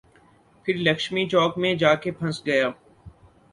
پھر لکشمی چوک میں جا کے پھنس گیا۔